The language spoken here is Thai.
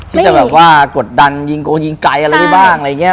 ที่จะแบบว่ากดดันยิงกว่ายิงไกลอะไรดีบ้าง